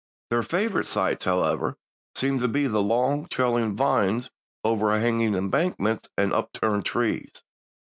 Their favorite sites, however, seemed to be the long, trailing vines overhanging embankments and upturned trees.